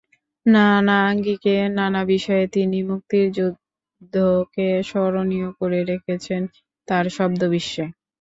নানা আঙ্গিকে নানা বিষয়ে তিনি মুক্তির যুদ্ধকে স্মরণীয় করে রেখেছেন তাঁর শব্দবিশ্বে।